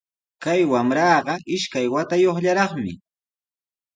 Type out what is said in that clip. Kay wamraqa ishkay watayuqllaraqmi